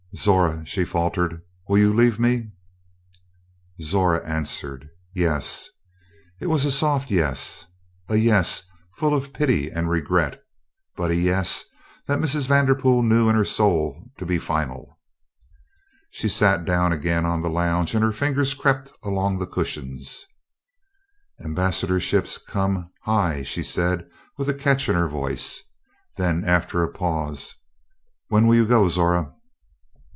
"Zora," she faltered, "will you leave me?" Zora answered, "Yes." It was a soft "yes," a "yes" full of pity and regret, but a "yes" that Mrs. Vanderpool knew in her soul to be final. She sat down again on the lounge and her fingers crept along the cushions. "Ambassadorships come high," she said with a catch in her voice. Then after a pause: "When will you go, Zora?"